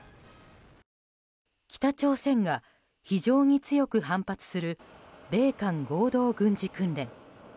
北朝鮮が非常に強く反発する米韓合同軍事訓練。